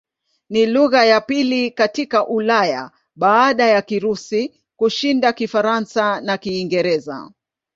Ni lugha ya pili katika Ulaya baada ya Kirusi kushinda Kifaransa na Kiingereza.